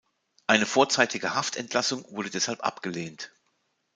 Eine vorzeitige Haftentlassung wurde deshalb abgelehnt.